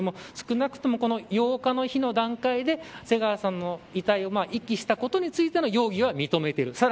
少なくとも８日の日の段階で瀬川さんの遺体を遺棄したことについての容疑は認めている。